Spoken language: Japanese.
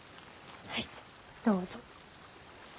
はいどうぞ。